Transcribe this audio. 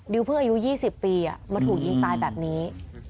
เพิ่งอายุ๒๐ปีมาถูกยิงตายแบบนี้